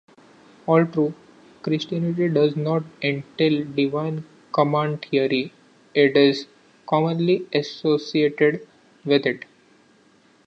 Although Christianity does not entail divine command theory, it is commonly associated with it.